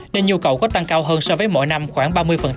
nên nhu cầu có tăng cao hơn so với mỗi năm khoảng ba mươi